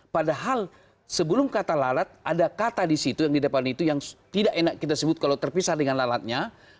padahal sebelum kata lalat ada kata di situ yang di depan itu yang tidak enak kita sebut kalau terpisah dengan lalatnya